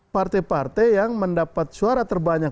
partai partai yang mendapat suara terbanyak